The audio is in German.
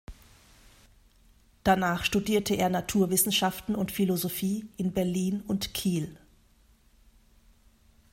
Danach studierte er Naturwissenschaften und Philosophie in Berlin und Kiel.